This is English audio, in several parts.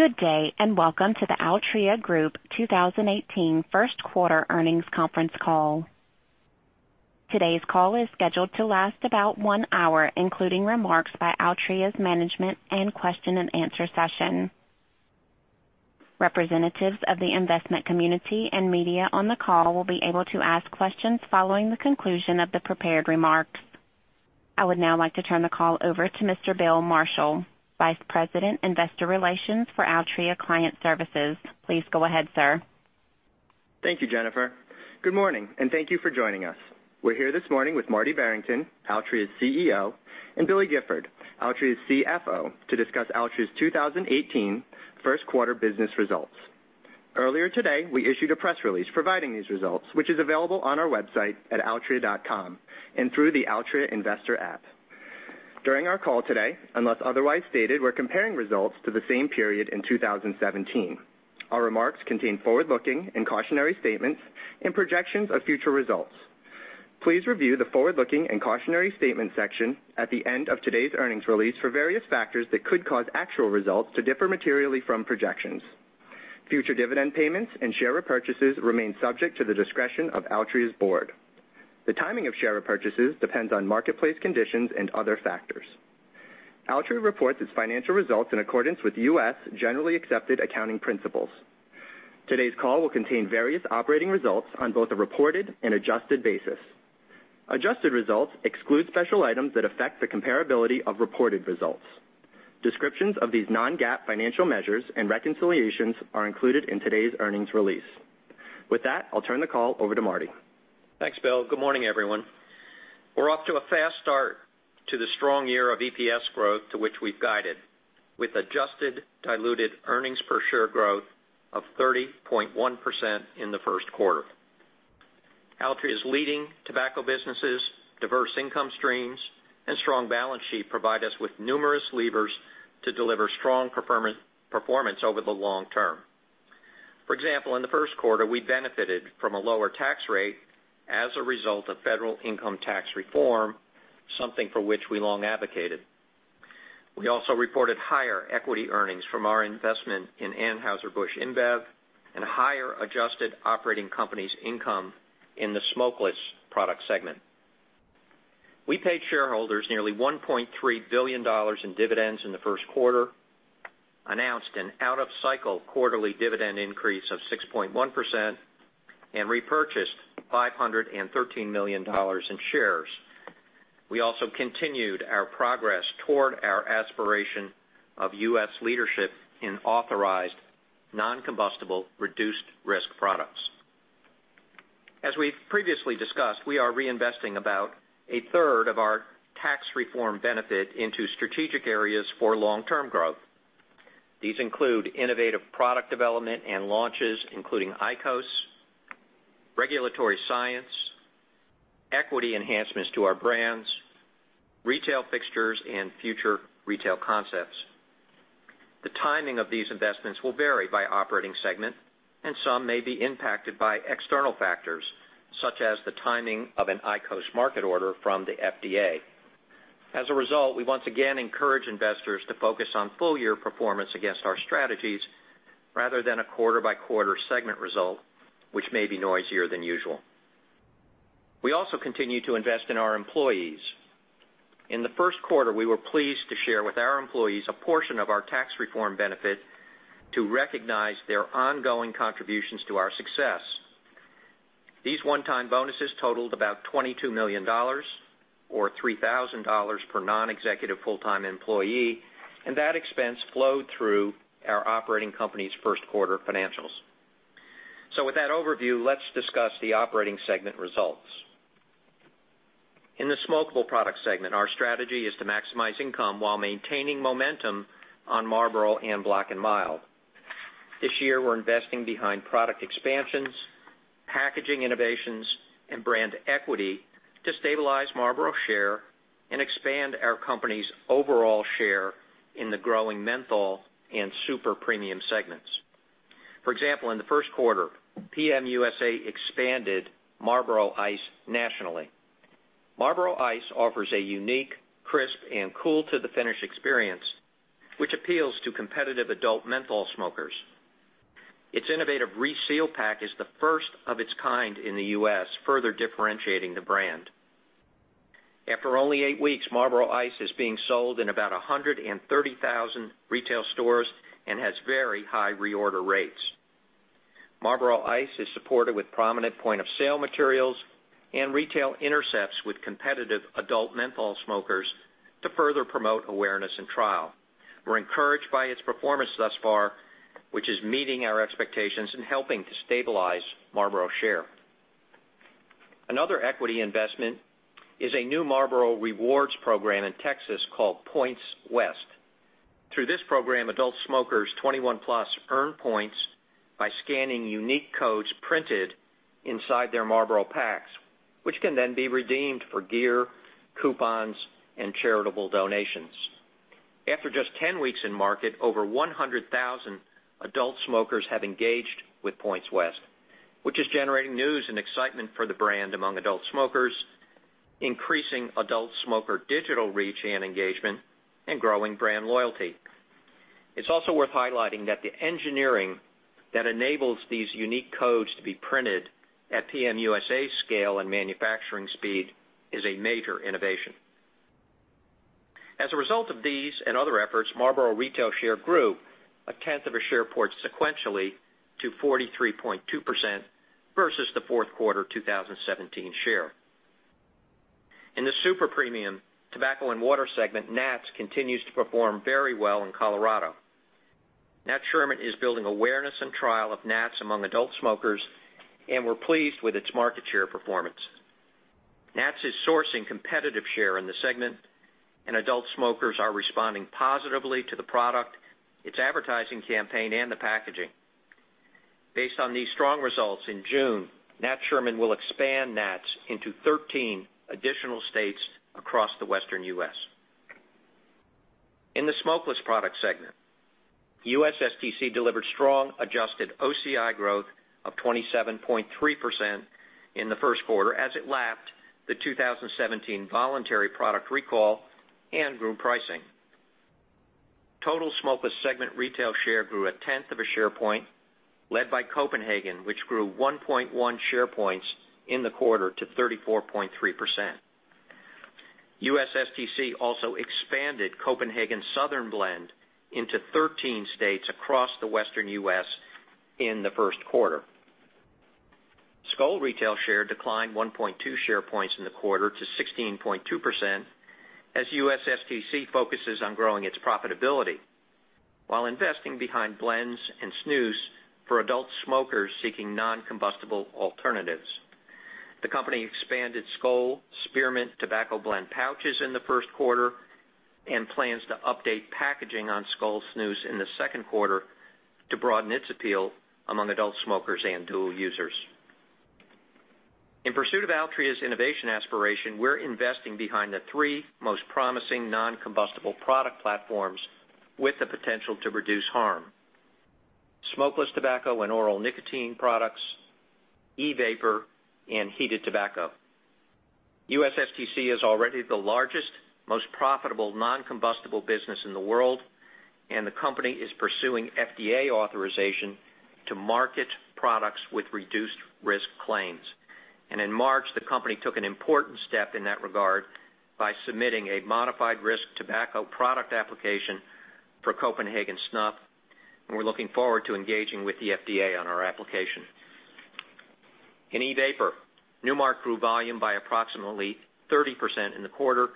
Good day, and welcome to the Altria Group 2018 first quarter earnings conference call. Today's call is scheduled to last about one hour, including remarks by Altria's management and question and answer session. Representatives of the investment community and media on the call will be able to ask questions following the conclusion of the prepared remarks. I would now like to turn the call over to Mr. Bill Marshall, Vice President, Investor Relations for Altria Client Services. Please go ahead, sir. Thank you, Jennifer. Good morning, and thank you for joining us. We're here this morning with Marty Barrington, Altria's CEO, and Billy Gifford, Altria's CFO, to discuss Altria's 2018 first quarter business results. Earlier today, we issued a press release providing these results, which is available on our website at altria.com and through the Altria investor app. During our call today, unless otherwise stated, we're comparing results to the same period in 2017. Our remarks contain forward-looking and cautionary statements and projections of future results. Please review the forward-looking and cautionary statement section at the end of today's earnings release for various factors that could cause actual results to differ materially from projections. Future dividend payments and share repurchases remain subject to the discretion of Altria's board. The timing of share repurchases depends on marketplace conditions and other factors. Altria reports its financial results in accordance with U.S. Generally Accepted Accounting Principles. Today's call will contain various operating results on both a reported and adjusted basis. Adjusted results exclude special items that affect the comparability of reported results. Descriptions of these non-GAAP financial measures and reconciliations are included in today's earnings release. With that, I'll turn the call over to Marty. Thanks, Bill. Good morning, everyone. We're off to a fast start to the strong year of EPS growth to which we've guided, with adjusted diluted earnings per share growth of 30.1% in the first quarter. Altria's leading tobacco businesses, diverse income streams, and strong balance sheet provide us with numerous levers to deliver strong performance over the long term. For example, in the first quarter, we benefited from a lower tax rate as a result of federal income tax reform, something for which we long advocated. We also reported higher equity earnings from our investment in Anheuser-Busch InBev and higher adjusted Operating Companies Income in the smokeless product segment. We paid shareholders nearly $1.3 billion in dividends in the first quarter, announced an out-of-cycle quarterly dividend increase of 6.1%, and repurchased $513 million in shares. We also continued our progress toward our aspiration of U.S. leadership in authorized non-combustible reduced risk products. As we've previously discussed, we are reinvesting about a third of our tax reform benefit into strategic areas for long-term growth. These include innovative product development and launches, including IQOS, regulatory science, equity enhancements to our brands, retail fixtures, and future retail concepts. The timing of these investments will vary by operating segment and some may be impacted by external factors such as the timing of an IQOS market order from the FDA. As a result, we once again encourage investors to focus on full-year performance against our strategies rather than a quarter-by-quarter segment result, which may be noisier than usual. We also continue to invest in our employees. In the first quarter, we were pleased to share with our employees a portion of our tax reform benefit to recognize their ongoing contributions to our success. These one-time bonuses totaled about $22 million, or $3,000 per non-executive full-time employee, and that expense flowed through our operating company's first quarter financials. With that overview, let's discuss the operating segment results. In the Smokeable products segment, our strategy is to maximize income while maintaining momentum on Marlboro and Black & Mild. This year, we're investing behind product expansions, packaging innovations, and brand equity to stabilize Marlboro share and expand our company's overall share in the growing menthol and super-premium segments. For example, in the first quarter, PM USA expanded Marlboro Ice nationally. Marlboro Ice offers a unique, crisp, and cool-to-the-finish experience, which appeals to competitive adult menthol smokers. Its innovative reseal pack is the first of its kind in the U.S., further differentiating the brand. After only eight weeks, Marlboro Ice is being sold in about 130,000 retail stores and has very high reorder rates. Marlboro Ice is supported with prominent point-of-sale materials and retail intercepts with competitive adult menthol smokers to further promote awareness and trial. We're encouraged by its performance thus far, which is meeting our expectations and helping to stabilize Marlboro share. Another equity investment is a new Marlboro rewards program in Texas called Points West. Through this program, adult smokers 21+ earn points by scanning unique codes printed inside their Marlboro packs, which can then be redeemed for gear, coupons, and charitable donations. After just 10 weeks in market, over 100,000 adult smokers have engaged with Points West, which is generating news and excitement for the brand among adult smokers, increasing adult smoker digital reach and engagement, and growing brand loyalty. It's also worth highlighting that the engineering that enables these unique codes to be printed at PM USA's scale and manufacturing speed is a major innovation. As a result of these and other efforts, Marlboro retail share grew a tenth of a share point sequentially to 43.2% versus the fourth quarter of 2017 share. In the super-premium tobacco and cigar segment, Nat's continues to perform very well in Colorado. Nat Sherman is building awareness and trial of Nat's among adult smokers, and we're pleased with its market share performance. Nat's is sourcing competitive share in the segment, adult smokers are responding positively to the product, its advertising campaign, and the packaging. Based on these strong results in June, Nat Sherman will expand Nat's into 13 additional states across the Western U.S. In the Smokeless products segment, USSTC delivered strong adjusted OCI growth of 27.3% in the first quarter as it lapped the 2017 voluntary product recall and grew pricing. Total smokeless segment retail share grew a tenth of a share point, led by Copenhagen, which grew 1.1 share points in the quarter to 34.3%. USSTC also expanded Copenhagen Southern Blend into 13 states across the Western U.S. in the first quarter. Skoal retail share declined 1.2 share points in the quarter to 16.2% as USSTC focuses on growing its profitability while investing behind blends and snus for adult smokers seeking non-combustible alternatives. The company expanded Skoal Spearmint Tobacco Blend Pouches in the first quarter and plans to update packaging on Skoal Snus in the second quarter to broaden its appeal among adult smokers and dual users. In pursuit of Altria's innovation aspiration, we're investing behind the three most promising non-combustible product platforms with the potential to reduce harm: smokeless tobacco and oral nicotine products, e-vapor, and heated tobacco. USSTC is already the largest, most profitable non-combustible business in the world, and the company is pursuing FDA authorization to market products with reduced risk claims. In March, the company took an important step in that regard by submitting a modified risk tobacco product application for Copenhagen Snuff, and we're looking forward to engaging with the FDA on our application. In e-vapor, Nu Mark grew volume by approximately 30% in the quarter,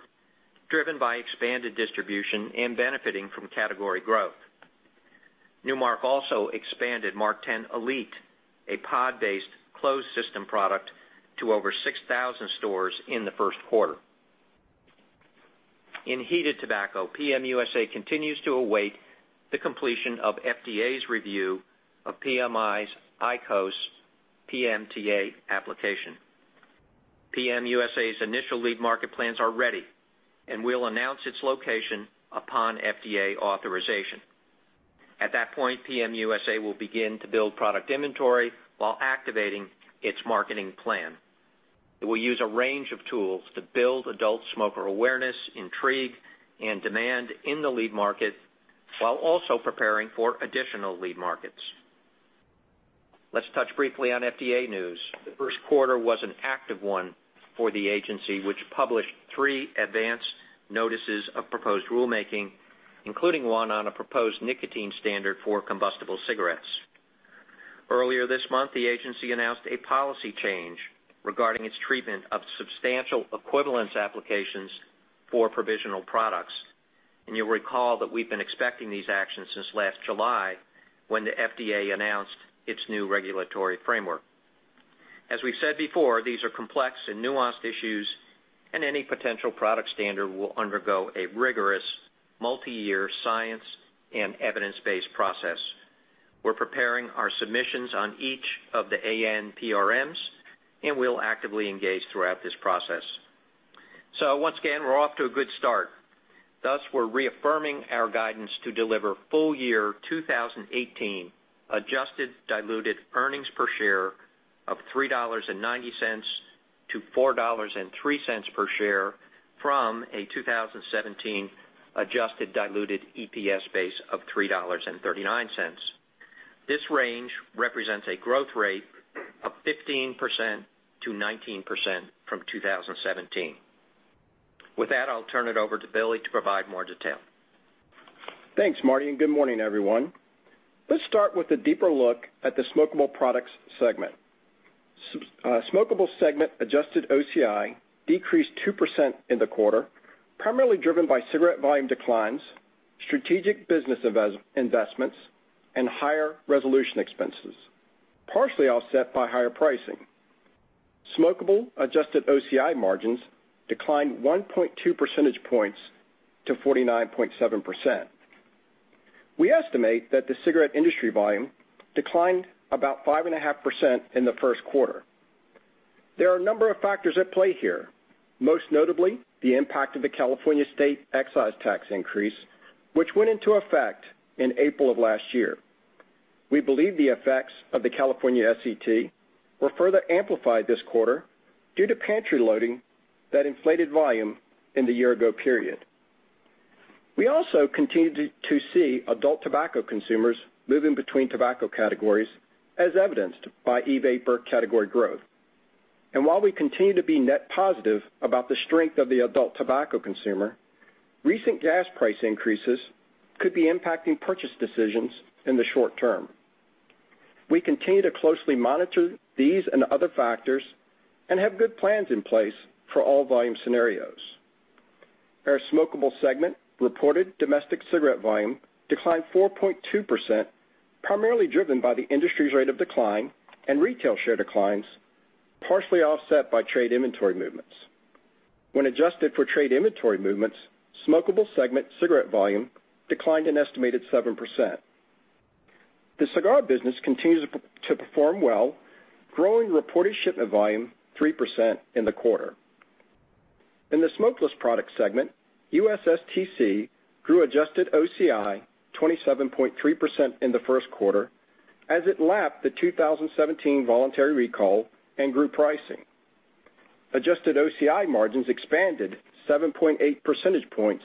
driven by expanded distribution and benefiting from category growth. Nu Mark also expanded MarkTen Elite, a pod-based closed system product to over 6,000 stores in the first quarter. In heated tobacco, PM USA continues to await the completion of FDA's review of PMI's IQOS PMTA application. PM USA's initial lead market plans are ready, will announce its location upon FDA authorization. At that point, PM USA will begin to build product inventory while activating its marketing plan. It will use a range of tools to build adult smoker awareness, intrigue, and demand in the lead market while also preparing for additional lead markets. Let's touch briefly on FDA news. The first quarter was an active one for the agency, which published three advanced notices of proposed rulemaking, including one on a proposed nicotine standard for combustible cigarettes. Earlier this month, the agency announced a policy change regarding its treatment of substantial equivalence applications for provisional products. You'll recall that we've been expecting these actions since last July when the FDA announced its new regulatory framework. As we've said before, these are complex and nuanced issues, any potential product standard will undergo a rigorous multi-year science and evidence-based process. We're preparing our submissions on each of the ANPRMs, we'll actively engage throughout this process. Once again, we're off to a good start. Thus, we're reaffirming our guidance to deliver full year 2018 adjusted diluted earnings per share of $3.90-$4.03 per share from a 2017 adjusted diluted EPS base of $3.39. This range represents a growth rate of 15%-19% from 2017. With that, I'll turn it over to Billy to provide more detail. Thanks, Marty, and good morning, everyone. Let's start with a deeper look at the Smokable Products segment. Smokable Products segment adjusted OCI decreased 2% in the quarter, primarily driven by cigarette volume declines, strategic business investments, and higher resolution expenses, partially offset by higher pricing. Smokable adjusted OCI margins declined 1.2 percentage points to 49.7%. We estimate that the cigarette industry volume declined about 5.5% in the first quarter. There are a number of factors at play here, most notably the impact of the California State excise tax increase, which went into effect in April of last year. We believe the effects of the California SET were further amplified this quarter due to pantry loading that inflated volume in the year ago period. We also continue to see adult tobacco consumers moving between tobacco categories, as evidenced by e-vapor category growth. While we continue to be net positive about the strength of the adult tobacco consumer, recent gas price increases could be impacting purchase decisions in the short term. We continue to closely monitor these and other factors and have good plans in place for all volume scenarios. Our Smokable Products segment reported domestic cigarette volume declined 4.2%, primarily driven by the industry's rate of decline and retail share declines, partially offset by trade inventory movements. When adjusted for trade inventory movements, Smokable Products segment cigarette volume declined an estimated 7%. The cigar business continues to perform well, growing reported shipment volume 3% in the quarter. In the Smokeless Products segment, USSTC grew adjusted OCI 27.3% in the first quarter as it lapped the 2017 voluntary recall and grew pricing. Adjusted OCI margins expanded 7.8 percentage points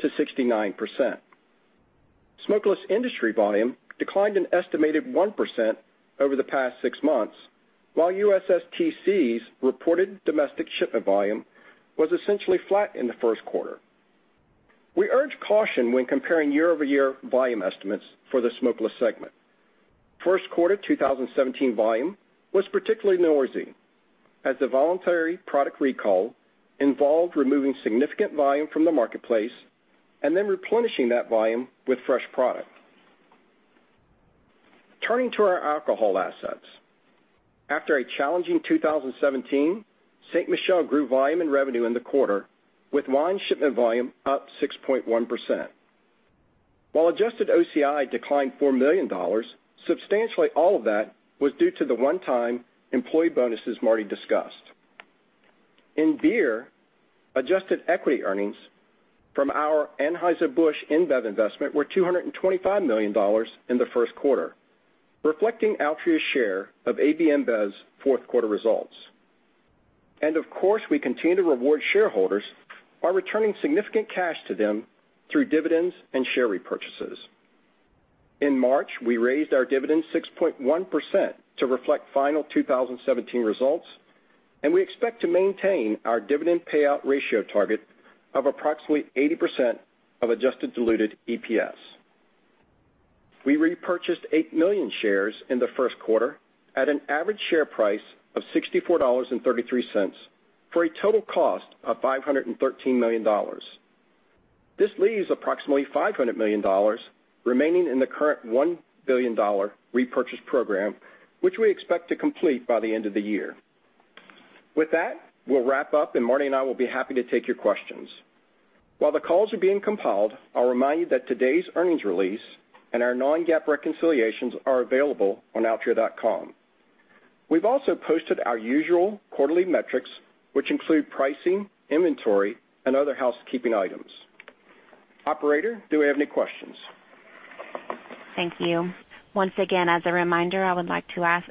to 69%. Smokeless industry volume declined an estimated 1% over the past six months, while USSTC's reported domestic shipment volume was essentially flat in the first quarter. We urge caution when comparing year-over-year volume estimates for the Smokeless Products segment. First quarter 2017 volume was particularly noisy, as the voluntary product recall involved removing significant volume from the marketplace and then replenishing that volume with fresh product. Turning to our alcohol assets. After a challenging 2017, Ste. Michelle grew volume and revenue in the quarter, with wine shipment volume up 6.1%. While adjusted OCI declined $4 million, substantially all of that was due to the one-time employee bonuses Marty discussed. In beer, adjusted equity earnings from our Anheuser-Busch InBev investment were $225 million in the first quarter, reflecting Altria's share of AB InBev's fourth quarter results. Of course, we continue to reward shareholders by returning significant cash to them through dividends and share repurchases. In March, we raised our dividend 6.1% to reflect final 2017 results, and we expect to maintain our dividend payout ratio target of approximately 80% of adjusted diluted EPS. We repurchased 8 million shares in the first quarter at an average share price of $64.33 for a total cost of $513 million. This leaves approximately $500 million remaining in the current $1 billion repurchase program, which we expect to complete by the end of the year. With that, we'll wrap up, and Marty and I will be happy to take your questions. While the calls are being compiled, I'll remind you that today's earnings release and our non-GAAP reconciliations are available on altria.com. We've also posted our usual quarterly metrics, which include pricing, inventory, and other housekeeping items. Operator, do we have any questions? Thank you. Once again, as a reminder,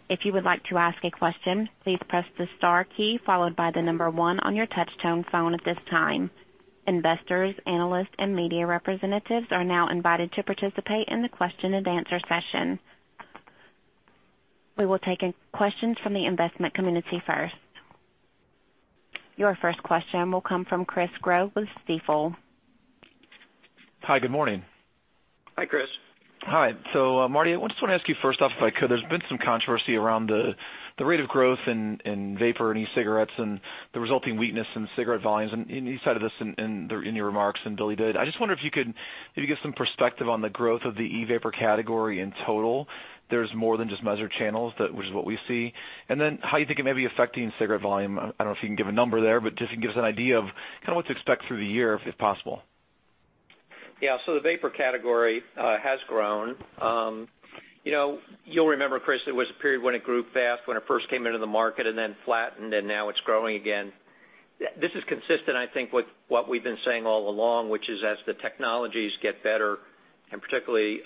if you would like to ask a question, please press the star key followed by the number one on your touch-tone phone at this time. Investors, analysts, and media representatives are now invited to participate in the question and answer session. We will take questions from the investment community first. Your first question will come from Chris Growe with Stifel. Hi, good morning. Hi, Chris. Hi. Marty, I just want to ask you first off, if I could, there's been some controversy around the rate of growth in vapor and e-cigarettes and the resulting weakness in cigarette volumes, and you cited this in your remarks, and Billy did. I just wonder if you could maybe give some perspective on the growth of the e-vapor category in total. There's more than just measured channels, which is what we see. How you think it may be affecting cigarette volume. I don't know if you can give a number there, but just give us an idea of kind of what to expect through the year, if possible. Yeah. The vapor category has grown. You'll remember, Chris, there was a period when it grew fast when it first came into the market and then flattened, now it's growing again. This is consistent, I think, with what we've been saying all along, which is as the technologies get better, particularly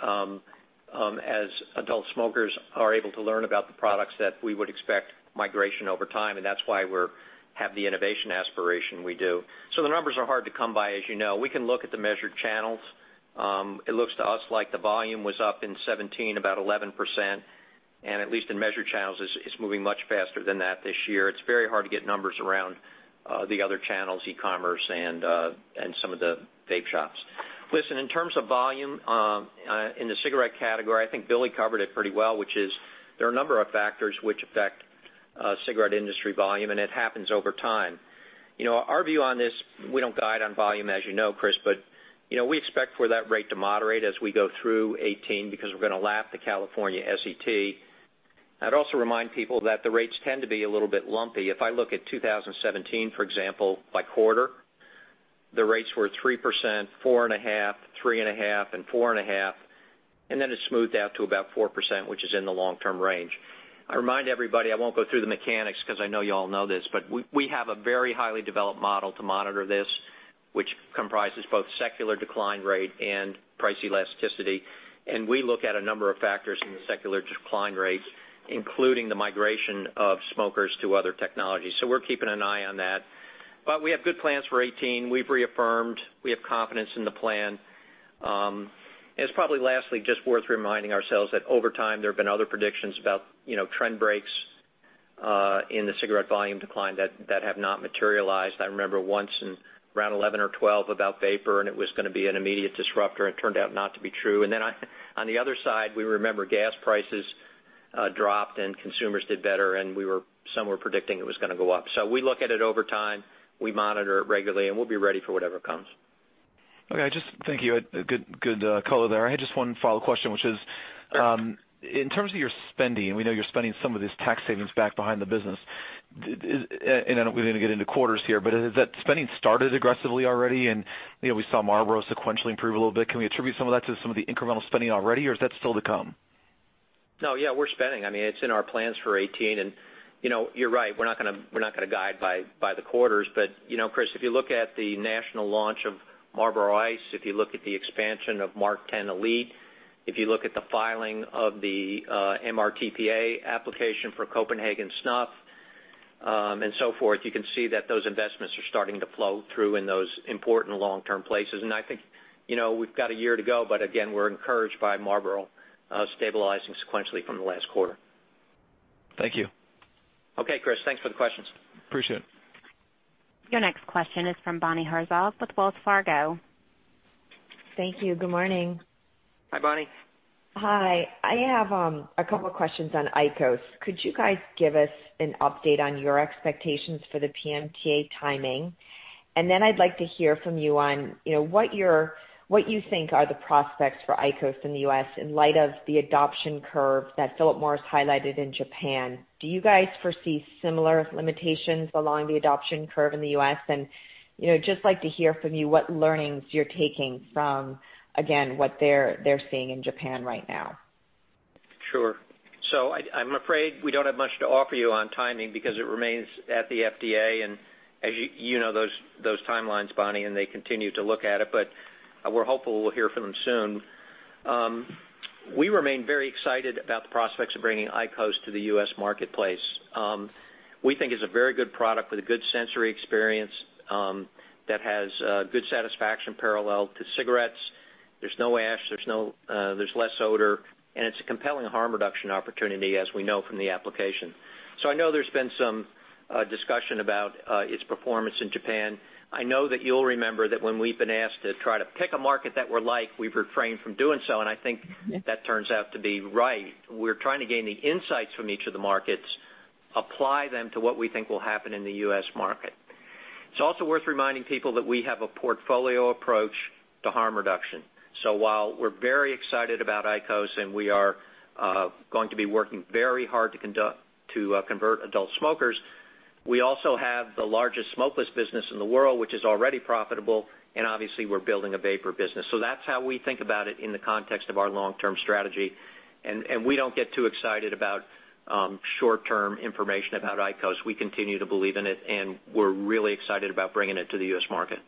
as adult smokers are able to learn about the products, that we would expect migration over time, that's why we have the innovation aspiration we do. The numbers are hard to come by, as you know. We can look at the measured channels. It looks to us like the volume was up in 2017 about 11%, and at least in measured channels, it's moving much faster than that this year. It's very hard to get numbers around the other channels, e-commerce and some of the vape shops. Listen, in terms of volume in the cigarette category, I think Billy covered it pretty well, which is there are a number of factors which affect cigarette industry volume, it happens over time. Our view on this, we don't guide on volume, as you know, Chris, but we expect for that rate to moderate as we go through 2018 because we're going to lap the California SET. I'd also remind people that the rates tend to be a little bit lumpy. If I look at 2017, for example, by quarter, the rates were 3%, 4.5%, 3.5% and 4.5%, it smoothed out to about 4%, which is in the long-term range. I remind everybody, I won't go through the mechanics because I know you all know this, we have a very highly developed model to monitor this, which comprises both secular decline rate and price elasticity. We look at a number of factors in the secular decline rate, including the migration of smokers to other technologies. We're keeping an eye on that. We have good plans for 2018. We've reaffirmed, we have confidence in the plan. It's probably lastly just worth reminding ourselves that over time, there have been other predictions about trend breaks in the cigarette volume decline that have not materialized. I remember once in around 2011 or 2012 about vapor, it was going to be an immediate disruptor and turned out not to be true. On the other side, we remember gas prices dropped and consumers did better, and some were predicting it was going to go up. We look at it over time, we monitor it regularly, and we'll be ready for whatever comes. Okay. Thank you. Good color there. I had just one follow question, which is, in terms of your spending, we know you're spending some of this tax savings back behind the business. I don't want to get into quarters here, but has that spending started aggressively already? We saw Marlboro sequentially improve a little bit. Can we attribute some of that to some of the incremental spending already, or is that still to come? No, yeah, we're spending. It's in our plans for 2018. You're right. We're not going to guide by the quarters. Chris, if you look at the national launch of Marlboro Ice, if you look at the expansion of MarkTen Elite, if you look at the filing of the MRTPA application for Copenhagen Snuff, and so forth, you can see that those investments are starting to flow through in those important long-term places. I think we've got a year to go, but again, we're encouraged by Marlboro stabilizing sequentially from the last quarter. Thank you. Okay, Chris, thanks for the questions. Appreciate it. Your next question is from Bonnie Herzog with Wells Fargo. Thank you. Good morning. Hi, Bonnie. Hi. I have a couple of questions on IQOS. Could you guys give us an update on your expectations for the PMTA timing? I'd like to hear from you on what you think are the prospects for IQOS in the U.S. in light of the adoption curve that Philip Morris highlighted in Japan. Do you guys foresee similar limitations along the adoption curve in the U.S.? Just like to hear from you what learnings you're taking from what they're seeing in Japan right now. Sure. I'm afraid we don't have much to offer you on timing because it remains at the FDA, and as you know those timelines, Bonnie, and they continue to look at it, but we're hopeful we'll hear from them soon. We remain very excited about the prospects of bringing IQOS to the U.S. marketplace. We think it's a very good product with a good sensory experience, that has good satisfaction parallel to cigarettes. There's no ash, there's less odor, and it's a compelling harm reduction opportunity, as we know from the application. I know there's been some discussion about its performance in Japan. I know that you'll remember that when we've been asked to try to pick a market that we're, we've refrained from doing so, and I think that turns out to be right. We're trying to gain the insights from each of the markets, apply them to what we think will happen in the U.S. market. It's also worth reminding people that we have a portfolio approach to harm reduction. While we're very excited about IQOS and we are going to be working very hard to convert adult smokers, we also have the largest smokeless business in the world, which is already profitable, and obviously we're building a vapor business. That's how we think about it in the context of our long-term strategy. We don't get too excited about short-term information about IQOS. We continue to believe in it, and we're really excited about bringing it to the U.S. market.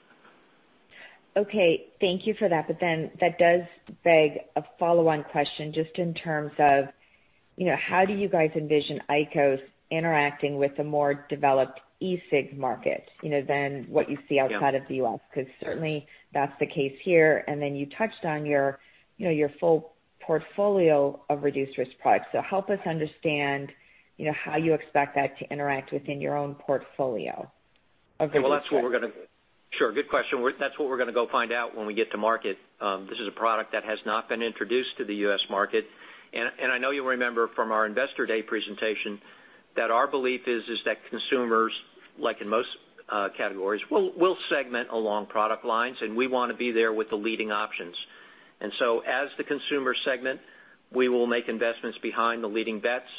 Okay. Thank you for that. That does beg a follow-on question, just in terms of how do you guys envision IQOS interacting with the more developed e-cig market than what you see outside of the U.S.? Because certainly that's the case here. You touched on your full portfolio of reduced-risk products. Help us understand how you expect that to interact within your own portfolio of reduced risk. Sure. Good question. That's what we're going to go find out when we get to market. This is a product that has not been introduced to the U.S. market. I know you'll remember from our Investor Day presentation that our belief is that consumers, like in most categories, will segment along product lines, and we want to be there with the leading options. As the consumer segment, we will make investments behind the leading bets,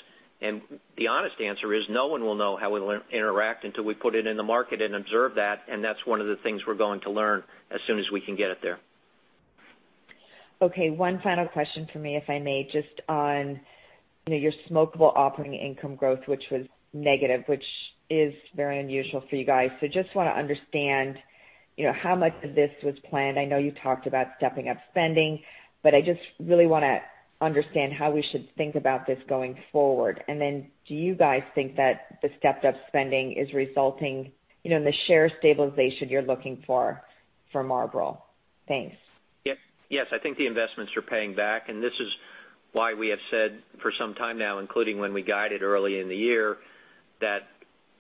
and the honest answer is no one will know how it'll interact until we put it in the market and observe that, and that's one of the things we're going to learn as soon as we can get it there. Okay. One final question from me, if I may, just on your smokable operating income growth, which was negative, which is very unusual for you guys. Just want to understand how much of this was planned. I know you talked about stepping up spending, but I just really want to understand how we should think about this going forward. Do you guys think that the stepped up spending is resulting in the share stabilization you're looking for Marlboro? Thanks. Yes, I think the investments are paying back, this is why we have said for some time now, including when we guided early in the year, that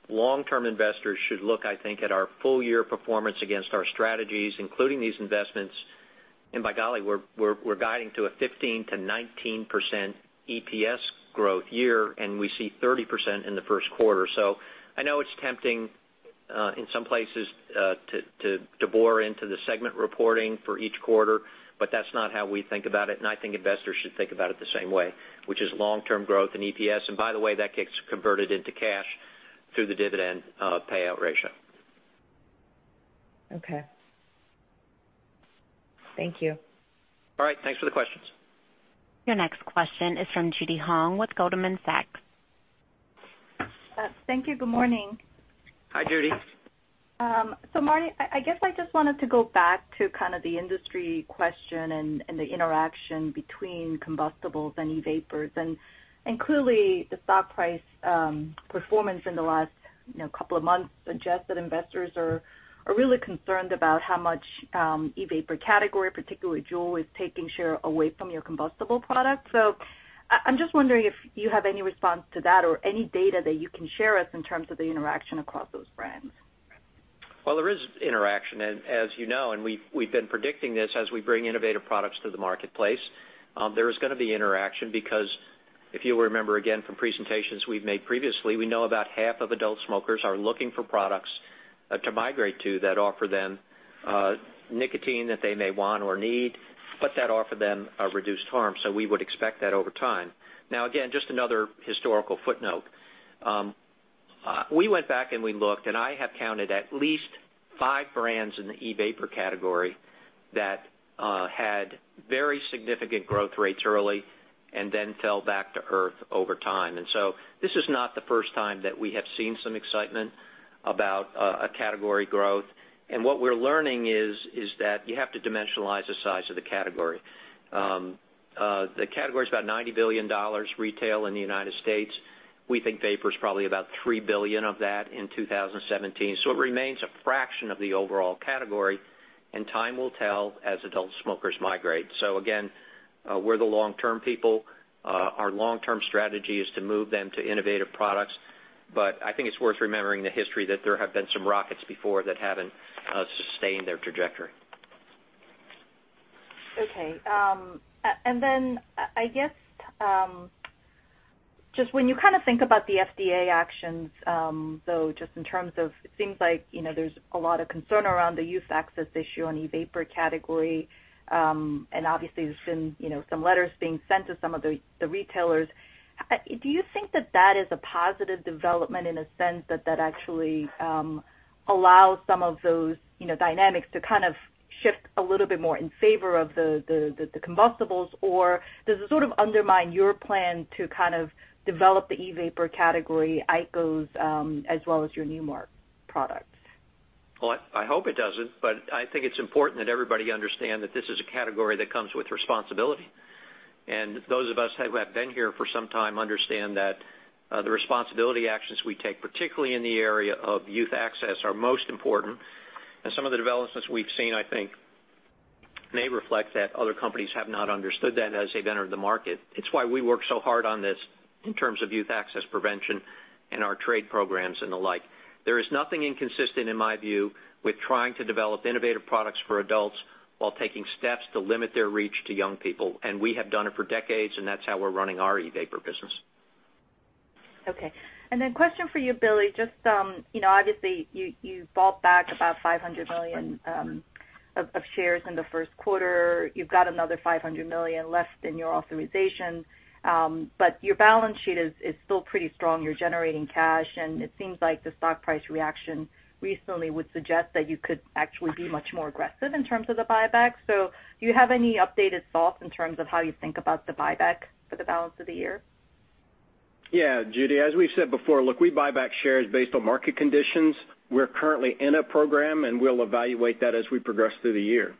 long-term investors should look, I think, at our full-year performance against our strategies, including these investments. By golly, we're guiding to a 15%-19% EPS growth year, and we see 30% in the first quarter. I know it's tempting in some places to bore into the segment reporting for each quarter, but that's not how we think about it, and I think investors should think about it the same way, which is long-term growth in EPS. By the way, that gets converted into cash through the dividend payout ratio. Okay. Thank you. All right, thanks for the questions. Your next question is from Judy Hong with Goldman Sachs. Thank you. Good morning. Hi, Judy. Marty, I guess I just wanted to go back to the industry question and the interaction between combustibles and e-vapers. Clearly, the stock price performance in the last couple of months suggests that investors are really concerned about how much e-vapor category, particularly Juul, is taking share away from your combustible product. I'm just wondering if you have any response to that or any data that you can share with us in terms of the interaction across those brands. There is interaction. As you know, and we've been predicting this as we bring innovative products to the marketplace, there is going to be interaction because if you remember again from presentations we've made previously, we know about half of adult smokers are looking for products to migrate to that offer them nicotine that they may want or need, but that offer them a reduced harm. We would expect that over time. Now, again, just another historical footnote. We went back, and we looked, and I have counted at least five brands in the e-vapor category that had very significant growth rates early and then fell back to earth over time. This is not the first time that we have seen some excitement about a category growth. What we're learning is that you have to dimensionalize the size of the category. The category is about $90 billion retail in the U.S. We think vapor is probably about $3 billion of that in 2017. It remains a fraction of the overall category, and time will tell as adult smokers migrate. Again, we're the long-term people. Our long-term strategy is to move them to innovative products. I think it's worth remembering the history that there have been some rockets before that haven't sustained their trajectory. I guess, just when you think about the FDA actions, though, just in terms of, it seems like there's a lot of concern around the youth access issue on e-vapor category. Obviously, there's been some letters being sent to some of the retailers. Do you think that that is a positive development in a sense that that actually allows some of those dynamics to shift a little bit more in favor of the combustibles? Or does it sort of undermine your plan to develop the e-vapor category, IQOS, as well as your Nu Mark products? Well, I hope it doesn't, but I think it's important that everybody understand that this is a category that comes with responsibility. Those of us who have been here for some time understand that the responsibility actions we take, particularly in the area of youth access, are most important. Some of the developments we've seen, I think, may reflect that other companies have not understood that as they've entered the market. It's why we work so hard on this in terms of youth access prevention and our trade programs and the like. There is nothing inconsistent, in my view, with trying to develop innovative products for adults while taking steps to limit their reach to young people. We have done it for decades, and that's how we're running our e-vapor business. A question for you, Billy. Obviously, you bought back about $500 million of shares in the first quarter. You've got another $500 million left in your authorization. Your balance sheet is still pretty strong. You're generating cash, and it seems like the stock price reaction recently would suggest that you could actually be much more aggressive in terms of the buyback. Do you have any updated thoughts in terms of how you think about the buyback for the balance of the year? Yeah, Judy, as we've said before, look, we buy back shares based on market conditions. We're currently in a program, and we'll evaluate that as we progress through the year.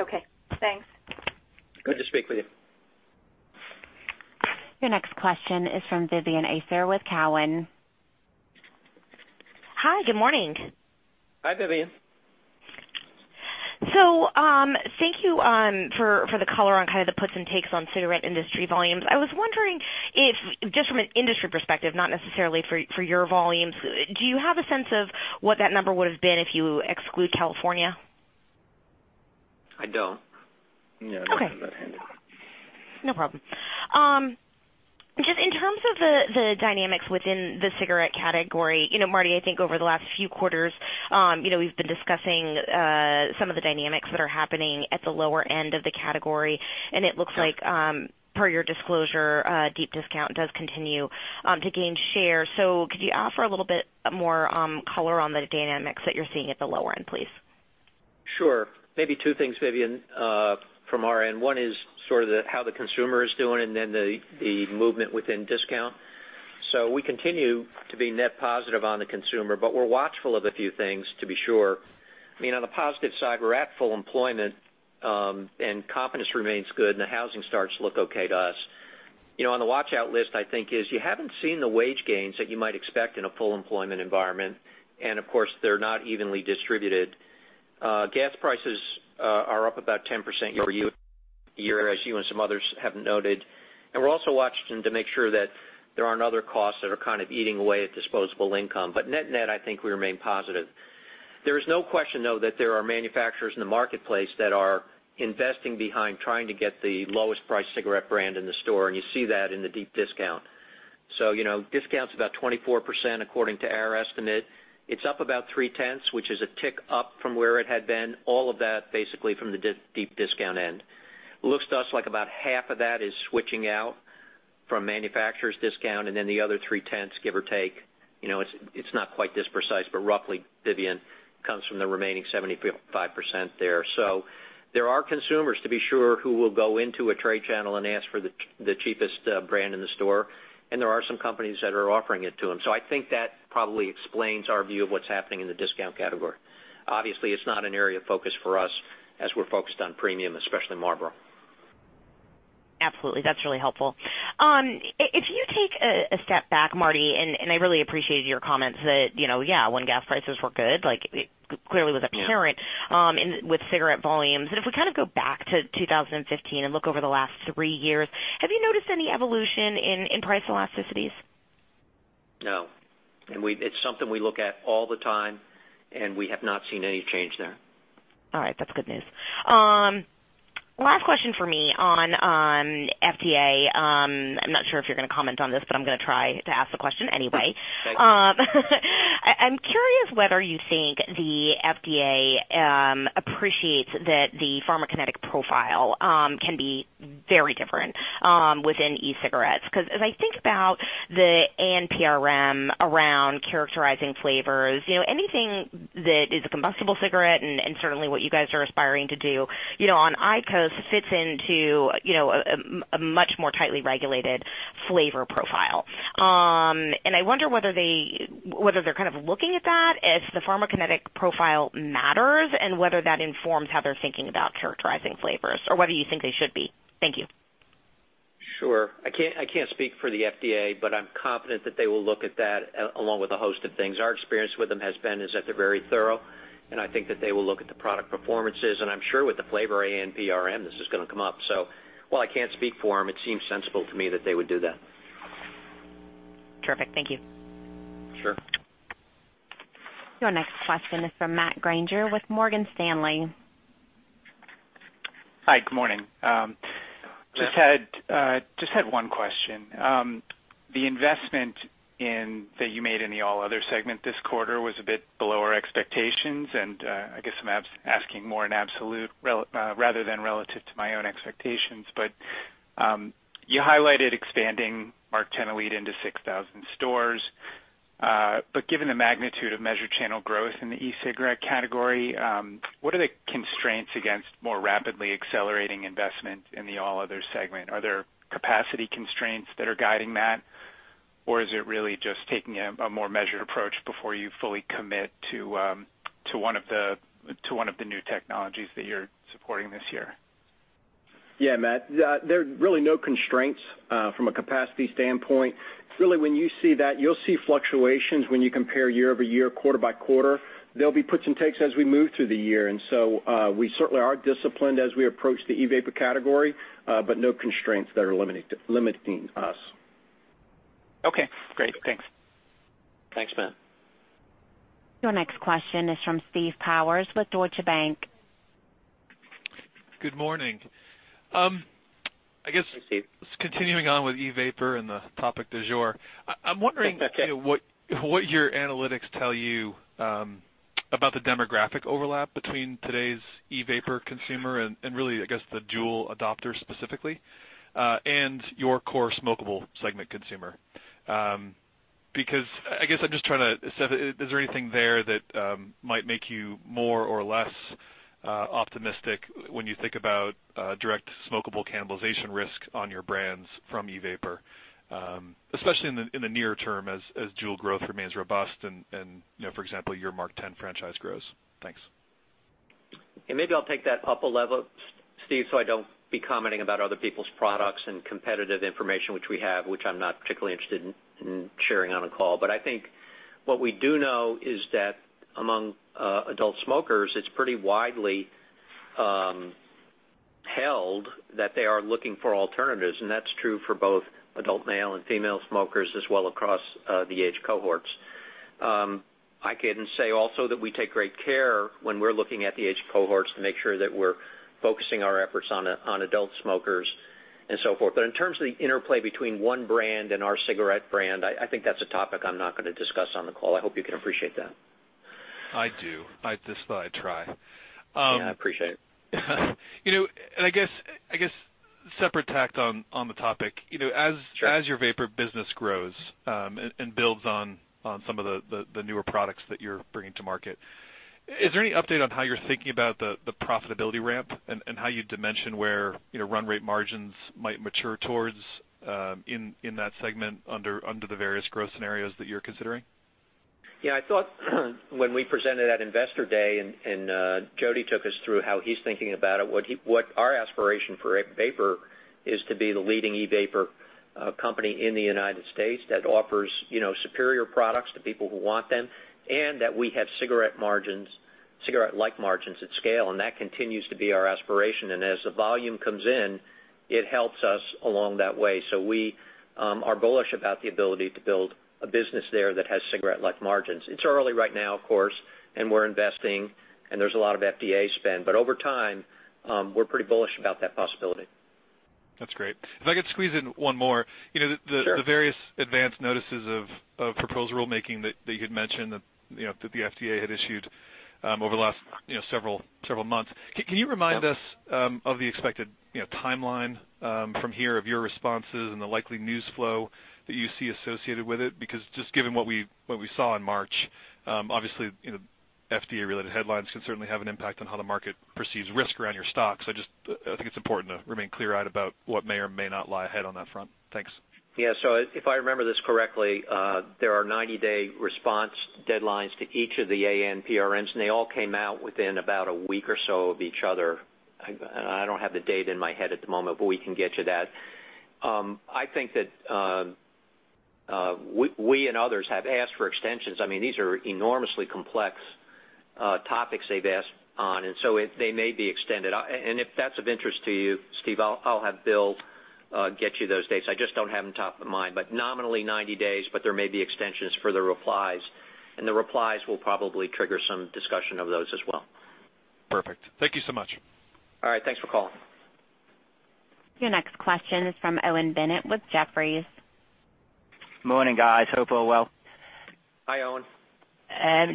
Okay, thanks. Good to speak with you. Your next question is from Vivien Azer with Cowen. Hi, good morning. Hi, Vivien. Thank you for the color on kind of the puts and takes on cigarette industry volumes. I was wondering if, just from an industry perspective, not necessarily for your volumes, do you have a sense of what that number would have been if you exclude California? I don't. No, I don't have that handy. No problem. Just in terms of the dynamics within the cigarette category, Marty, I think over the last few quarters, we've been discussing some of the dynamics that are happening at the lower end of the category, and it looks like per your disclosure, deep discount does continue to gain share. Could you offer a little bit more color on the dynamics that you're seeing at the lower end, please? Sure. Maybe two things, Vivien, from our end. One is sort of how the consumer is doing and then the movement within discount. We continue to be net positive on the consumer, but we're watchful of a few things to be sure. On the positive side, we're at full employment, and confidence remains good, and the housing starts look okay to us. On the watch-out list, I think is you haven't seen the wage gains that you might expect in a full employment environment, and of course, they're not evenly distributed. Gas prices are up about 10% year-over-year, as you and some others have noted. We're also watching to make sure that there aren't other costs that are kind of eating away at disposable income. Net-net, I think we remain positive. There is no question, though, that there are manufacturers in the marketplace that are investing behind trying to get the lowest priced cigarette brand in the store, and you see that in the deep discount. Discount's about 24%, according to our estimate. It's up about three tenths, which is a tick up from where it had been. All of that basically from the deep discount end. Looks to us like about half of that is switching out from manufacturer's discount, and then the other three tenths, give or take. It's not quite this precise, but roughly, Vivien, comes from the remaining 75% there. There are consumers, to be sure, who will go into a trade channel and ask for the cheapest brand in the store, and there are some companies that are offering it to them. I think that probably explains our view of what's happening in the discount category. Obviously, it's not an area of focus for us as we're focused on premium, especially Marlboro. Absolutely. That's really helpful. If you take a step back, Marty, I really appreciated your comments that, yeah, when gas prices were good, like it clearly was apparent with cigarette volumes. If we go back to 2015 and look over the last three years, have you noticed any evolution in price elasticities? No. It's something we look at all the time, and we have not seen any change there. All right. That's good news. Last question from me on FDA. I'm not sure if you're going to comment on this, but I'm going to try to ask the question anyway. Okay. I'm curious whether you think the FDA appreciates that the pharmacokinetic profile can be very different within e-cigarettes, because as I think about the ANPRM around characterizing flavors, anything that is a combustible cigarette and certainly what you guys are aspiring to do on IQOS fits into a much more tightly regulated flavor profile. I wonder whether they're kind of looking at that if the pharmacokinetic profile matters and whether that informs how they're thinking about characterizing flavors or whether you think they should be. Thank you. Sure. I can't speak for the FDA, but I'm confident that they will look at that along with a host of things. Our experience with them has been is that they're very thorough, and I think that they will look at the product performances, and I'm sure with the flavor ANPRM, this is going to come up. While I can't speak for them, it seems sensible to me that they would do that. Terrific. Thank you. Sure. Your next question is from Matthew Grainger with Morgan Stanley. Hi. Good morning. Matt. Just had one question. The investment that you made in the all other segment this quarter was a bit below our expectations, and I guess I'm asking more in absolute rather than relative to my own expectations. You highlighted expanding MarkTen Elite into 6,000 stores. Given the magnitude of measured channel growth in the e-cigarette category, what are the constraints against more rapidly accelerating investment in the all other segment? Are there capacity constraints that are guiding that, or is it really just taking a more measured approach before you fully commit to one of the new technologies that you're supporting this year? Yeah, Matt. There are really no constraints from a capacity standpoint. Really, when you see that, you'll see fluctuations when you compare year-over-year, quarter-by-quarter. There'll be puts and takes as we move through the year. We certainly are disciplined as we approach the e-vapor category, but no constraints that are limiting us. Okay, great. Thanks. Thanks, Matt. Your next question is from Stephen Powers with Deutsche Bank. Good morning. Hey, Steve. I guess continuing on with e-vapor and the topic du jour. I'm wondering. Okay what your analytics tell you about the demographic overlap between today's e-vapor consumer and really, I guess, the Juul adopter specifically, and your core smokable segment consumer. Is there anything there that might make you more or less optimistic when you think about direct smokable cannibalization risk on your brands from e-vapor, especially in the near term as Juul growth remains robust and, for example, your MarkTen franchise grows? Thanks. Maybe I'll take that up a level, Steve, so I don't be commenting about other people's products and competitive information which we have, which I'm not particularly interested in sharing on a call. I think what we do know is that among adult smokers, it's pretty widely held that they are looking for alternatives, and that's true for both adult male and female smokers as well across the age cohorts. I can say also that we take great care when we're looking at the age cohorts to make sure that we're focusing our efforts on adult smokers and so forth. In terms of the interplay between one brand and our cigarette brand, I think that's a topic I'm not going to discuss on the call. I hope you can appreciate that. I do. At least I try. Yeah, I appreciate it. I guess separate tact on the topic. Sure. As your vapor business grows and builds on some of the newer products that you're bringing to market, is there any update on how you're thinking about the profitability ramp and how you dimension where run rate margins might mature towards in that segment under the various growth scenarios that you're considering? Yeah, I thought when we presented at Investor Day and Jody took us through how he's thinking about it, what our aspiration for vapor is to be the leading e-vapor company in the U.S. that offers superior products to people who want them, and that we have cigarette-like margins at scale, and that continues to be our aspiration. As the volume comes in, it helps us along that way. We are bullish about the ability to build a business there that has cigarette-like margins. It's early right now, of course, and we're investing and there's a lot of FDA spend, but over time, we're pretty bullish about that possibility. That's great. If I could squeeze in one more. Sure. The various Advance Notices of Proposed Rulemaking that you had mentioned that the FDA had issued over the last several months. Can you remind us of the expected timeline from here of your responses and the likely news flow that you see associated with it? Because just given what we saw in March, obviously, FDA-related headlines can certainly have an impact on how the market perceives risk around your stock. So I think it's important to remain clear-eyed about what may or may not lie ahead on that front. Thanks. Yeah. If I remember this correctly, there are 90-day response deadlines to each of the ANPRMs, and they all came out within about a week or so of each other. I don't have the date in my head at the moment, but we can get you that. I think that we and others have asked for extensions. These are enormously complex topics they've asked on, they may be extended. If that's of interest to you, Steve, I'll have Bill get you those dates. I just don't have them top of mind. Nominally 90 days, but there may be extensions for the replies, and the replies will probably trigger some discussion of those as well. Perfect. Thank you so much. All right. Thanks for calling. Your next question is from Owen Bennett with Jefferies. Morning, guys. Hope all well. Hi, Owen.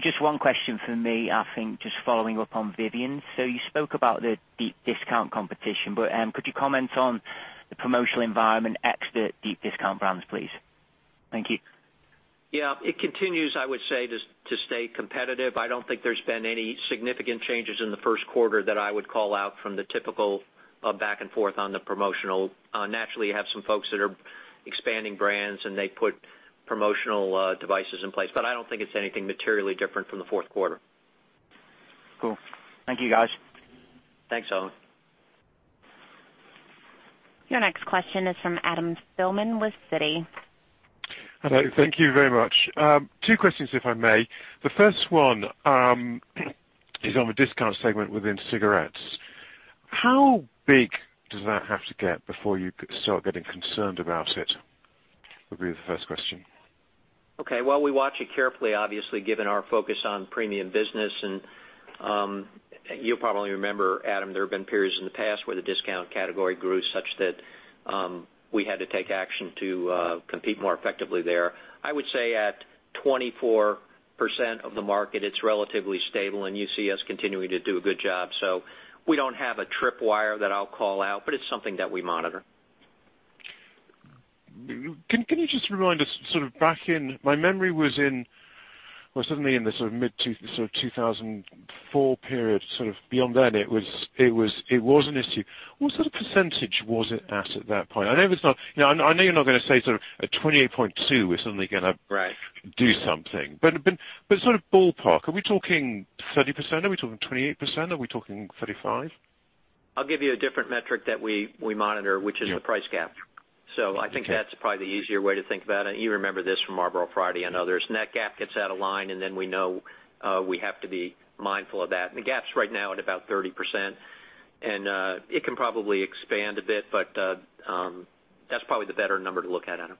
Just one question from me, I think just following up on Vivien's. You spoke about the deep discount competition, could you comment on the promotional environment ex the deep discount brands, please? Thank you. Yeah. It continues, I would say, to stay competitive. I don't think there's been any significant changes in the first quarter that I would call out from the typical back and forth on the promotional. Naturally, you have some folks that are expanding brands, and they put promotional devices in place. I don't think it's anything materially different from the fourth quarter. Cool. Thank you, guys. Thanks, Owen. Your next question is from Adam Spielman with Citi. Hello. Thank you very much. Two questions, if I may. The first one is on the discount segment within cigarettes. How big does that have to get before you start getting concerned about it? Would be the first question. Okay. Well, we watch it carefully, obviously, given our focus on premium business. You'll probably remember, Adam, there have been periods in the past where the discount category grew such that we had to take action to compete more effectively there. I would say at 24% of the market, it's relatively stable, and you see us continuing to do a good job. We don't have a tripwire that I'll call out, but it's something that we monitor. Can you just remind us back in, my memory was in, certainly in the mid 2004 period, beyond then it was an issue. What sort of percentage was it at at that point? I know you're not going to say at 28.2 we're suddenly going to- Right do something. Ballpark, are we talking 30%? Are we talking 28%? Are we talking 35? I'll give you a different metric that we monitor. Yeah Which is the price gap. Okay. I think that's probably the easier way to think about it. You remember this from Marlboro Friday and others. That gap gets out of line, and then we know we have to be mindful of that. The gap's right now at about 30%, and it can probably expand a bit, but that's probably the better number to look at, Adam.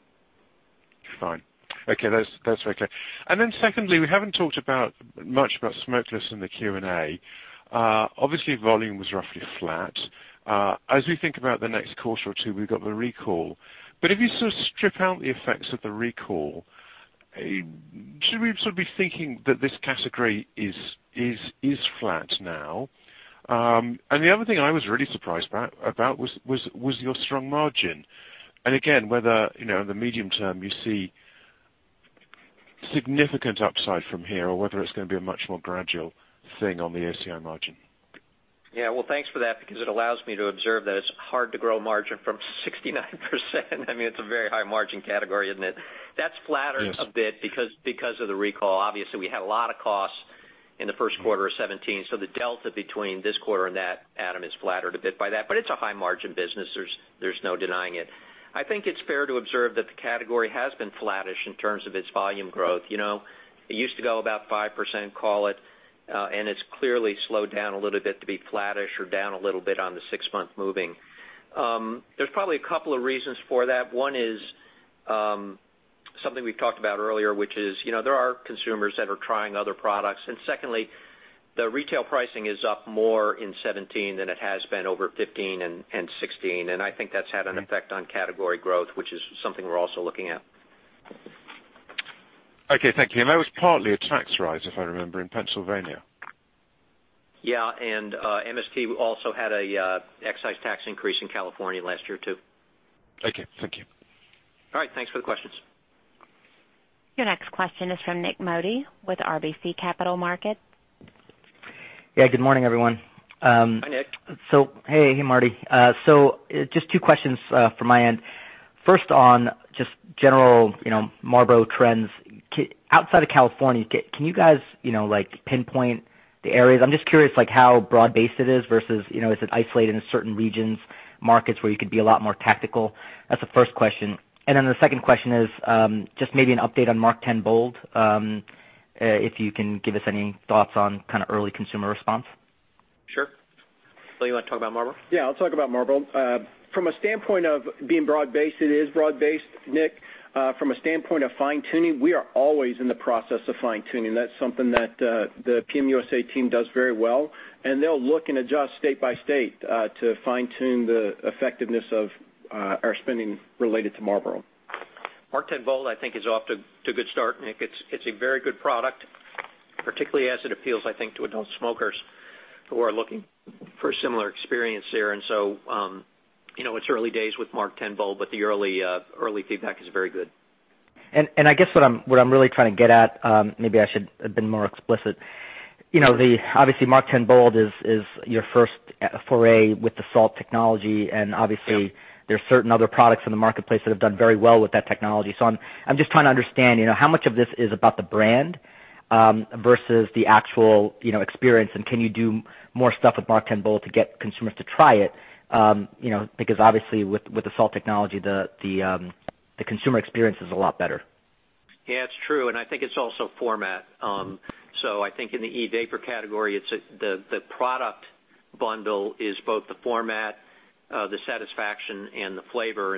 Fine. Okay. That's okay. Secondly, we haven't talked much about smokeless in the Q&A. Obviously, volume was roughly flat. As we think about the next quarter or two, we've got the recall. If you strip out the effects of the recall, should we be thinking that this category is flat now? The other thing I was really surprised about was your strong margin. Again, whether in the medium term you see significant upside from here or whether it's going to be a much more gradual thing on the ACI margin. Yeah. Well, thanks for that because it allows me to observe that it's hard to grow margin from 69%. It's a very high margin category, isn't it? That's flattered Yes a bit because of the recall. Obviously, we had a lot of costs in the first quarter of 2017, so the delta between this quarter and that, Adam, is flattered a bit by that. It's a high margin business. There's no denying it. I think it's fair to observe that the category has been flattish in terms of its volume growth. It used to go about 5%, call it, and it's clearly slowed down a little bit to be flattish or down a little bit on the six-month moving. There's probably a couple of reasons for that. One is something we've talked about earlier, which is there are consumers that are trying other products. Secondly, the retail pricing is up more in 2017 than it has been over 2015 and 2016, and I think that's had an effect on category growth, which is something we're also looking at. Okay. Thank you. That was partly a tax rise, if I remember, in Pennsylvania. Yeah. MST also had an excise tax increase in California last year, too. Okay. Thank you. All right. Thanks for the questions. Your next question is from Nik Modi with RBC Capital Markets. Yeah. Good morning, everyone. Hi, Nik. Just two questions from my end. First on just general Marlboro trends. Outside of California, can you guys pinpoint the areas? I'm just curious how broad-based it is versus is it isolated in certain regions, markets where you could be a lot more tactical? That's the first question. The second question is just maybe an update on MarkTen Bold, if you can give us any thoughts on early consumer response. Sure. Bill, you want to talk about Marlboro? Yeah, I'll talk about Marlboro. From a standpoint of being broad-based, it is broad-based, Nik. From a standpoint of fine-tuning, we are always in the process of fine-tuning. That's something that the PM USA team does very well, and they'll look and adjust state by state to fine-tune the effectiveness of our spending related to Marlboro. MarkTen Bold, I think, is off to a good start. Nik, it's a very good product, particularly as it appeals, I think, to adult smokers who are looking for a similar experience there. It's early days with MarkTen Bold, the early feedback is very good. I guess what I'm really trying to get at, maybe I should have been more explicit. Obviously, MarkTen Bold is your first foray with the salt technology. Yeah. Obviously, there's certain other products in the marketplace that have done very well with that technology. I'm just trying to understand, how much of this is about the brand versus the actual experience, can you do more stuff with MarkTen Bold to get consumers to try it? Because obviously with the salt technology, the consumer experience is a lot better. Yeah, it's true, and I think it's also format. I think in the e-vapor category, the product bundle is both the format, the satisfaction, and the flavor.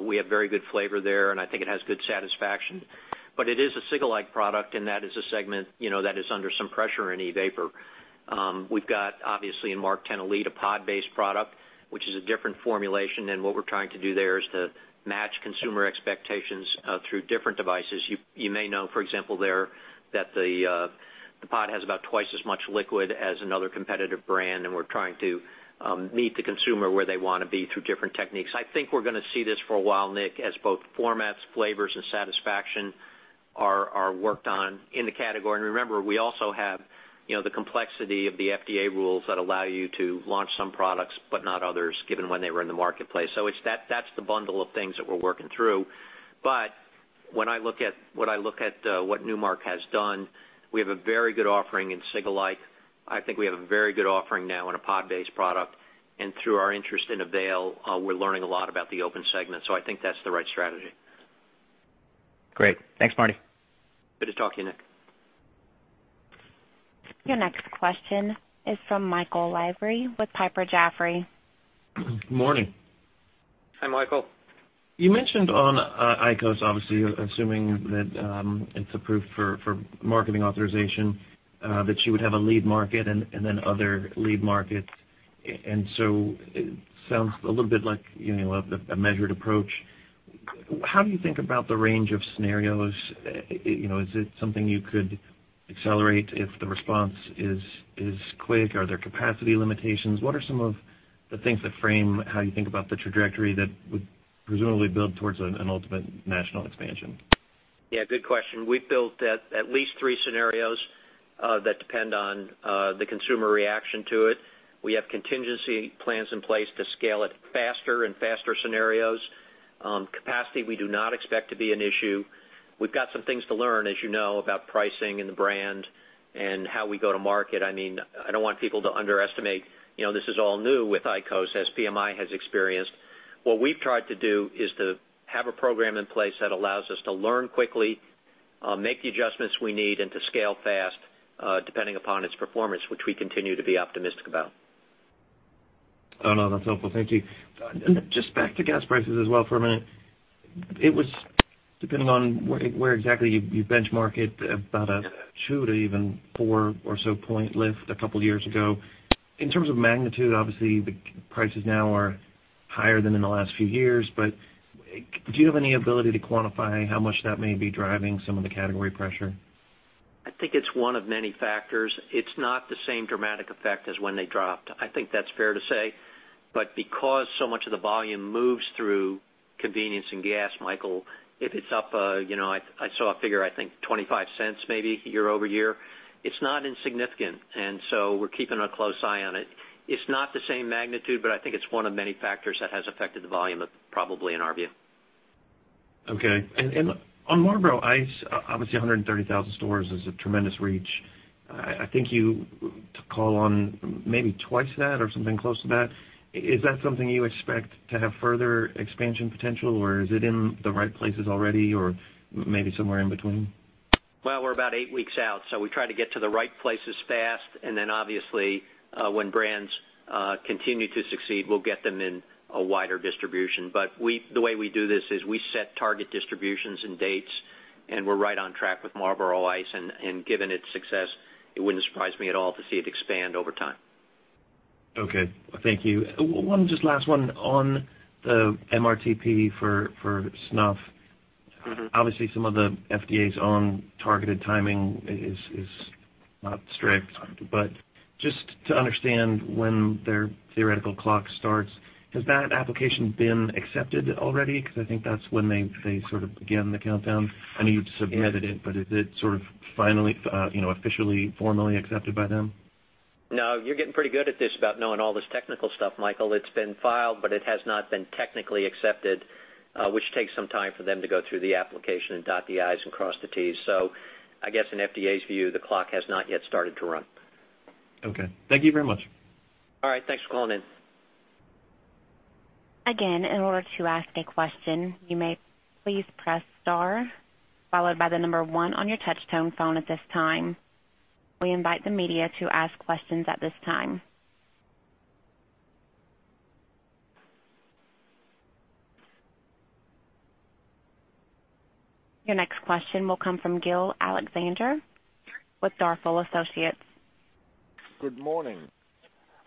We have very good flavor there, and I think it has good satisfaction. It is a cig-alike product, and that is a segment that is under some pressure in e-vapor. We've got, obviously in MarkTen Elite, a pod-based product, which is a different formulation, and what we're trying to do there is to match consumer expectations through different devices. You may know, for example, there that the pod has about twice as much liquid as another competitive brand, and we're trying to meet the consumer where they want to be through different techniques. I think we're going to see this for a while, Nick, as both formats, flavors, and satisfaction are worked on in the category. Remember, we also have the complexity of the FDA rules that allow you to launch some products but not others, given when they were in the marketplace. That's the bundle of things that we're working through. When I look at what Nu Mark has done, we have a very good offering in cig-alike. I think we have a very good offering now in a pod-based product. Through our interest in Avail, we're learning a lot about the Open segment, I think that's the right strategy. Great. Thanks, Marty. Good to talk to you, Nik. Your next question is from Michael Lavery with Piper Jaffray. Morning. Hi, Michael. You mentioned on IQOS, obviously, assuming that it's approved for marketing authorization, that you would have a lead market and then other lead markets. It sounds a little bit like a measured approach. How do you think about the range of scenarios? Is it something you could accelerate if the response is quick? Are there capacity limitations? What are some of the things that frame how you think about the trajectory that would presumably build towards an ultimate national expansion? Yeah, good question. We've built at least three scenarios that depend on the consumer reaction to it. We have contingency plans in place to scale it faster in faster scenarios. Capacity, we do not expect to be an issue. We've got some things to learn, as you know, about pricing and the brand and how we go to market. I don't want people to underestimate. This is all new with IQOS, as PMI has experienced. What we've tried to do is to have a program in place that allows us to learn quickly, make the adjustments we need, and to scale fast, depending upon its performance, which we continue to be optimistic about. Oh, no, that's helpful. Thank you. Just back to gas prices as well for a minute. It was depending on where exactly you benchmark it, about a two to even four or so point lift a couple of years ago. In terms of magnitude, obviously, the prices now are higher than in the last few years, do you have any ability to quantify how much that may be driving some of the category pressure? I think it's one of many factors. It's not the same dramatic effect as when they dropped. I think that's fair to say. Because so much of the volume moves through convenience and gas, Michael, if it's up, I saw a figure, I think $0.25 maybe year-over-year. It's not insignificant, we're keeping a close eye on it. It's not the same magnitude, I think it's one of many factors that has affected the volume, probably in our view. Okay. On Marlboro Ice, obviously 130,000 stores is a tremendous reach. I think you call on maybe twice that or something close to that. Is that something you expect to have further expansion potential, or is it in the right places already, or maybe somewhere in between? Well, we're about eight weeks out, we try to get to the right places fast, obviously when brands continue to succeed, we'll get them in a wider distribution. The way we do this is we set target distributions and dates, we're right on track with Marlboro Ice, given its success, it wouldn't surprise me at all to see it expand over time. Okay. Thank you. One just last one on the MRTP for snuff. Some of the FDA's own targeted timing is not strict, just to understand when their theoretical clock starts, has that application been accepted already? I think that's when they sort of begin the countdown. I know you've submitted it, but is it sort of officially, formally accepted by them? No, you're getting pretty good at this about knowing all this technical stuff, Michael. It's been filed, but it has not been technically accepted, which takes some time for them to go through the application and dot the I's and cross the T's. I guess in FDA's view, the clock has not yet started to run. Okay. Thank you very much. All right. Thanks for calling in. Again, in order to ask a question, you may please press star, followed by the number one on your touch-tone phone at this time. We invite the media to ask questions at this time. Your next question will come from Gil Alexander with Darfol Associates. Good morning.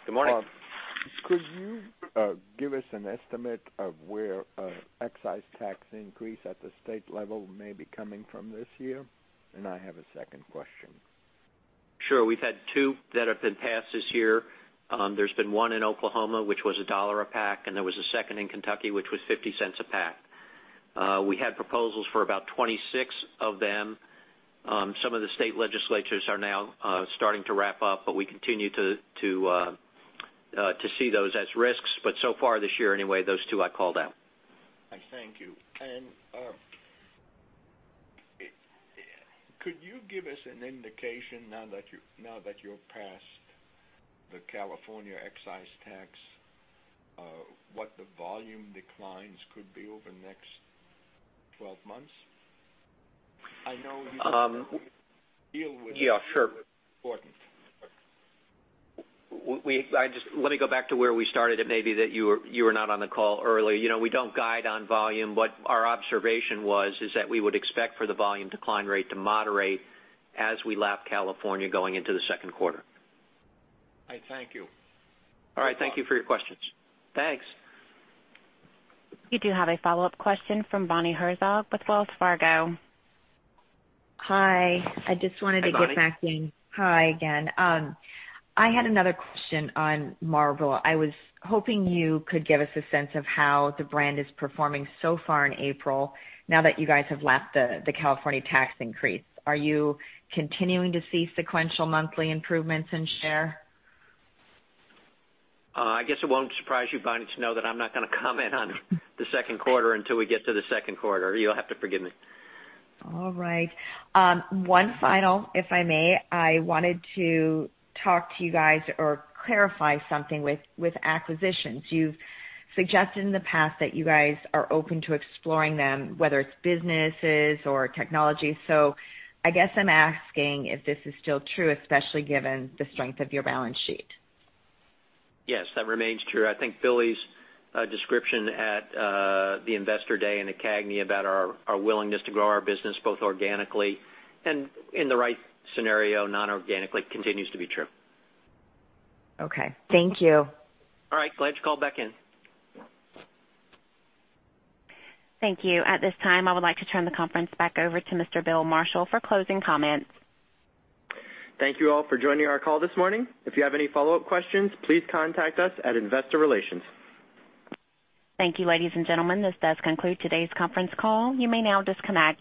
Good morning. Could you give us an estimate of where excise tax increase at the state level may be coming from this year? I have a second question. Sure. We've had two that have been passed this year. There's been one in Oklahoma, which was $1 a pack, and there was a second in Kentucky, which was $0.50 a pack. We had proposals for about 26 of them. Some of the state legislatures are now starting to wrap up, we continue to see those as risks. So far this year, anyway, those two I called out. I thank you. Could you give us an indication, now that you're past the California excise tax, what the volume declines could be over the next 12 months? I know you- Yeah, sure. important. Let me go back to where we started, and maybe that you were not on the call early. We don't guide on volume. What our observation was, is that we would expect for the volume decline rate to moderate as we lap California going into the 2nd quarter. I thank you. All right. Thank you for your questions. Thanks. We do have a follow-up question from Bonnie Herzog with Wells Fargo. Hi. Hi, Bonnie. get back in. Hi again. I had another question on Marlboro. I was hoping you could give us a sense of how the brand is performing so far in April, now that you guys have lapped the California tax increase. Are you continuing to see sequential monthly improvements in share? I guess it won't surprise you, Bonnie, to know that I'm not going to comment on the second quarter until we get to the second quarter. You'll have to forgive me. All right. One final, if I may. I wanted to talk to you guys or clarify something with acquisitions. You've suggested in the past that you guys are open to exploring them, whether it's businesses or technology. I guess I'm asking if this is still true, especially given the strength of your balance sheet. Yes, that remains true. I think Billy's description at the Investor Day and the CAGNY about our willingness to grow our business both organically and, in the right scenario, non-organically, continues to be true. Okay. Thank you. All right. Glad you called back in. Thank you. At this time, I would like to turn the conference back over to Mr. Bill Marshall for closing comments. Thank you all for joining our call this morning. If you have any follow-up questions, please contact us at Investor Relations. Thank you, ladies and gentlemen. This does conclude today's conference call. You may now disconnect.